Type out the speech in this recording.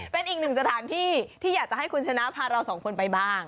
เป็นอีกหนึ่งสถานที่ที่อยากจะให้คุณชนะพาเราสองคนไปบ้าง